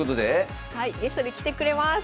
はいゲストに来てくれます。